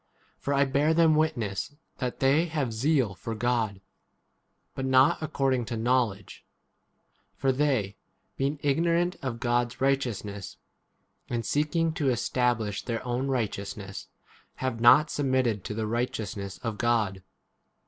For I bear them witness that they have zeal for God, but not according to 8 knowledge. For they, being igno rant of God's righteousness, and seeking to establish their own righteousness, have not submitted 4 to the righteousness of God.